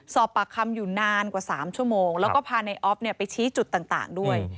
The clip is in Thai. สอบปากคำอยู่นานกว่า๓ชั่วโมงแล้วก็พาในออฟไปชี้จุดต่างด้วย